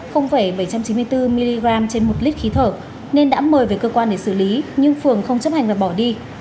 bảy trăm chín mươi bốn mg trên một lít khí thở nên đã mời về cơ quan để xử lý nhưng phường không chấp hành và bỏ đi